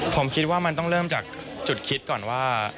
ผมคิดว่ามันต้องเริ่มจากจุดคิดก่อนว่า